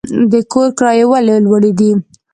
د کور کرایې ولې لوړې دي؟